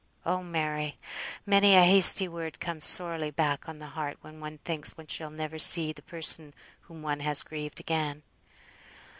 Oh Mary! many a hasty word comes sorely back on the heart, when one thinks one shall never see the person whom one has grieved again!"